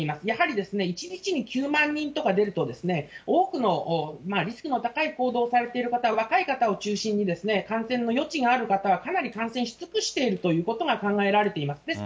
やはり、１日に９万人とか出ると、多くの、リスクの高い行動をされている方、若い方を中心に感染の余地がある方は、かなり感染し尽くしているということが、考えられています。